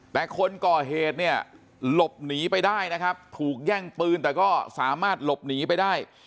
แต่คนก่อเหตุเนี่ยหลบหนีไปได้นะครับถูกแย่งปืนแต่ก็สามารถหลบหนีไปได้